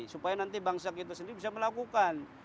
supaya nanti bangsa kita sendiri bisa melakukan